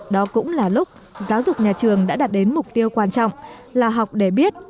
đó cũng là lúc giáo dục nhà trường đã đạt đến mục tiêu quan trọng là học để biết